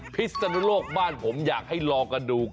พิศนุโลกบ้านผมอยากให้ลองกันดู